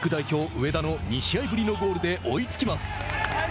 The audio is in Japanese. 上田の２試合ぶりのゴールで追いつきます。